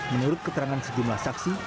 menurut keterangan sejumlah saksi